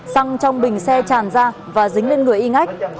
xăng trong bình xe tràn ra và dính lên người i ngách